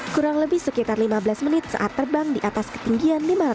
kurang lebih sekitar lima belas menit saat terbang di atas ketinggian lima ratus meter